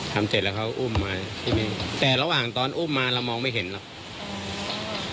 ทำเสร็จแล้วเขาอุ้มมาสิบ้านแต่ระหว่างตอนอุ้มมาละมองไม่เห็นหรอก